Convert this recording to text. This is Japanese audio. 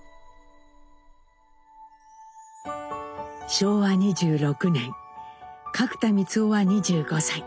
昭和２６年角田光男は２５歳。